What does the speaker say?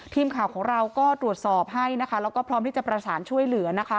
ทีมข่าวของเราก็ตรวจสอบให้นะคะแล้วก็พร้อมที่จะประสานช่วยเหลือนะคะ